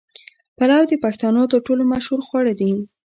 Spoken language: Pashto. پلو د پښتنو تر ټولو مشهور خواړه دي.